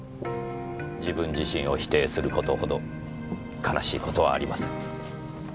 自分自身を否定する事ほど悲しい事はありません。